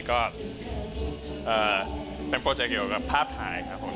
ก็เป็นโปรเจคเรียกว่าภาพถ่ายครับผม